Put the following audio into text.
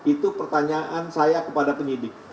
itu pertanyaan saya kepada penyidik